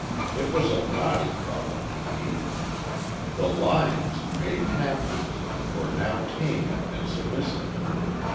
It was a knotty problem indeed. The lions, made captives, were now tame and submissive.